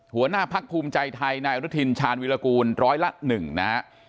หัวหน้าพักภูมิใจไทยนายอนุทินชาญวิรากูลร้อยละ๑นะฮะ